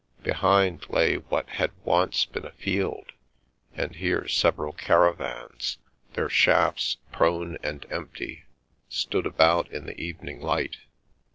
Behind lay what had once been a field, and here several caravans, their shafts prone and empty, stood about in the evening light.